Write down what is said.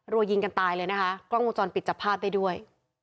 รัวยิงกันตายเลยนะคะกล้องวงจรปิดจับภาพได้ด้วย